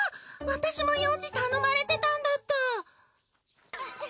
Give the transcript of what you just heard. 私も用事頼まれてたんだった！